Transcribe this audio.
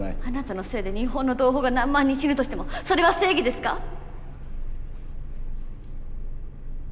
あなたのせいで日本の同胞が何万人死ぬとしてもそれは正義ですか？